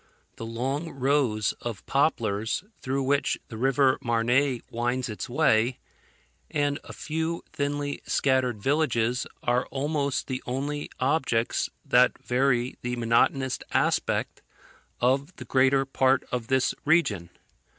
The long rows of poplars, through which the river Marne winds its way, and a few thinly scattered villages, are almost the only objects that vary the monotonous aspect of the greater part of this region.